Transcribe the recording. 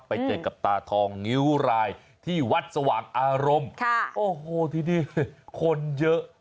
ไปเจอกับตาทองงิ้วรายที่วัดสว่างอารมณ์โอ้โหที่นี่คนเยอะ